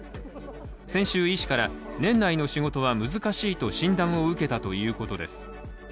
先週、医師から年内の仕事は難しいと診断を受けたということです。